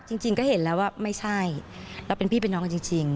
จริงก็เห็นแล้วว่าไม่ใช่เราเป็นพี่เป็นน้องกันจริง